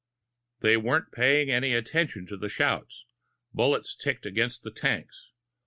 They weren't paying any attention to the shouts. Bullets ticked against the tanks.